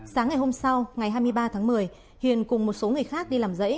sáng ngày hôm sau ngày hai mươi ba tháng một mươi hiền cùng một số người khác đi làm dãy